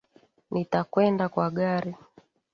Nitakwenda kwa gari.